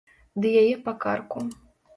Ды яе па карку.